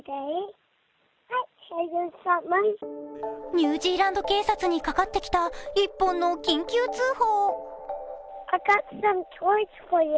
ニュージーランド警察にかかってきた１本の緊急通報。